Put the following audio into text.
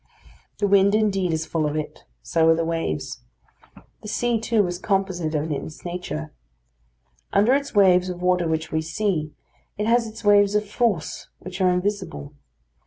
The wind indeed is full of it; so are the waves. The sea, too, is composite in its nature. Under its waves of water which we see, it has its waves of force which are invisible.